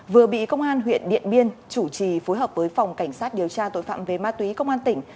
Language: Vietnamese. vừa bị công an huyện điện biên chủ trì phối hợp với phòng cảnh sát điều tra tội phạm về ma túy công an tỉnh